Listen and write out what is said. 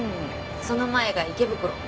その前が池袋。